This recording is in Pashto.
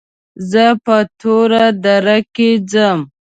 زه په توره دره کې ځم.